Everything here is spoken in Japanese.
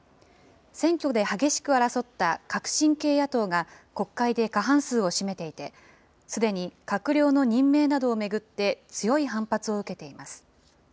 選挙で激しく争った革新系野党が国会で過半数を占めていて、すでに閣僚の任命などを巡って強い反発を受けています。